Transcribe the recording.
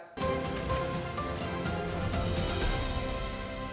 masa ini kita akan mencoba bagaimana cara